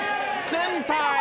センターへ！」